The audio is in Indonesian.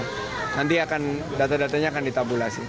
nanti akan data datanya akan ditabulasi